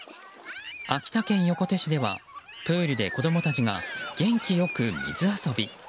秋田県横手市ではプールで子供たちが元気良く水遊び。